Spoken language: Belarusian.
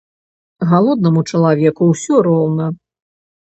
Галоднаму чалавеку ўсё роўна.